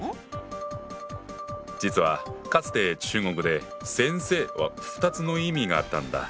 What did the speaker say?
実はかつて中国で「先生」は２つの意味があったんだ。